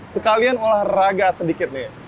sekalian olahraga sedikit nih